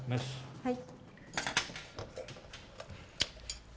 はい。